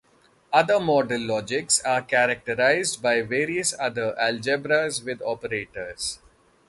Other modal logics are characterized by various other algebras with operators.